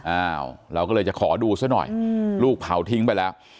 อ้าวเราก็เลยจะขอดูซะหน่อยลูกเผาทิ้งไปแล้ว